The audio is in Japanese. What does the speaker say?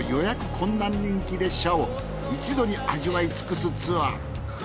困難人気列車を一度に味わいつくすツアー。